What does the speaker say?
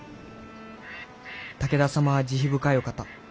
武田様は慈悲深いお方。